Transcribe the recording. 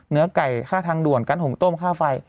เนื้อไก่ค่าทางด่วนกันหุงต้มค่าไฟ